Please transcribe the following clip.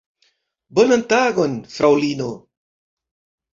Bonan tagon, fraŭlino!